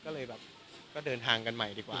ก็เลยแบบก็เดินทางกันใหม่ดีกว่า